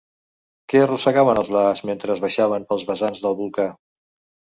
Què arrossegaven els lahars mentre baixaven pels vessants del volcà?